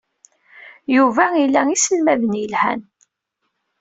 Yuba ila iselmaden yelhan.